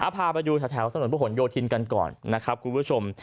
พาไปดูแถวถนนพระหลโยธินกันก่อนนะครับคุณผู้ชม